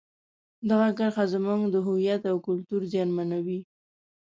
دغه کرښه زموږ د هویت او کلتور زیانمنوي.